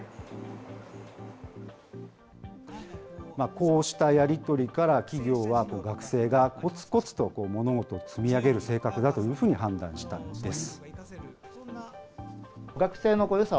こうしたやり取りから、企業は、学生がこつこつと物事を積み上げる性格だというふうに判断したんです。